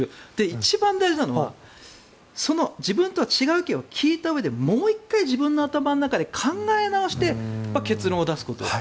一番大事なのは自分とは違う意見を聞いたうえでもう１回自分の頭の中で考え直して結論を出すこと。